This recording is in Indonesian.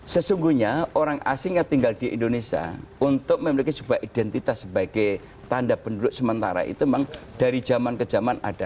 sesungguhnya orang asing yang tinggal di indonesia untuk memiliki sebuah identitas sebagai tanda penduduk sementara itu memang dari zaman ke zaman ada